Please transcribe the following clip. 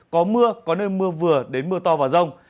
có mưa có nơi mưa vừa đến mưa to và rông